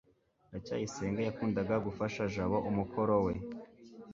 ndacyayisenga yakundaga gufasha jabo umukoro we